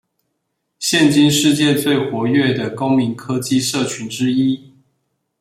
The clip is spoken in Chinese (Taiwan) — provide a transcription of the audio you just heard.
現今世界最活躍的公民科技社群之一